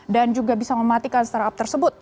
dan juga bisa mematikan startup tersebut